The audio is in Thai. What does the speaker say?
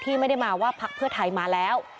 ไม่ได้มาว่าพักเพื่อไทยมาแล้ว